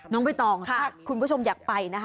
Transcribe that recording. น้องพะตองล่ะถ้าคุณผู้ชมอยากไปนะ